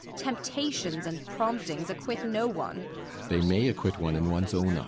Temptations and promptings acquit no one. BORKMAN. They may acquit one in one's own eyes.